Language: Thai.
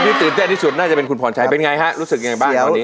ตื่นเต้นที่สุดน่าจะเป็นคุณพรชัยเป็นไงฮะรู้สึกยังไงบ้างตอนนี้